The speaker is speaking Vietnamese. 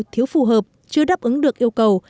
thiếu phù hợp chưa đáp ứng được yêu cầu